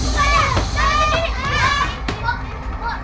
bapak bapak bapak